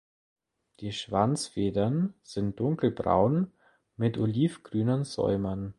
Die Schwanzfedern sind dunkelbraun mit olivgrünen Säumen.